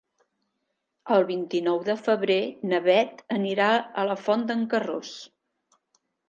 El vint-i-nou de febrer na Beth irà a la Font d'en Carròs.